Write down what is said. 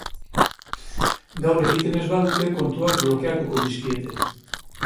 Gaur egiten ez badute, kontuak blokeatuko dizkiete.